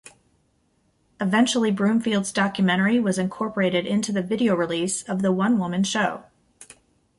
Eventually Broomfield's documentary was incorporated into the video release of the one-woman show.